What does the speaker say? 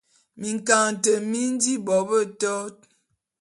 Minkaňete mi mi nji bo betot.